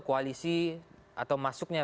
koalisi atau masuk ke